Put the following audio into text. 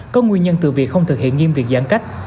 có nguyên nhân từ việc không thực hiện nghiêm việc giãn cách